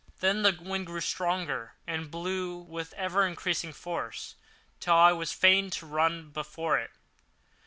Then the wind grew stronger and blew with ever increasing force, till I was fain to run before it.